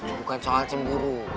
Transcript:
bukan soal cemburu